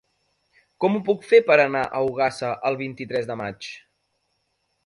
Com ho puc fer per anar a Ogassa el vint-i-tres de maig?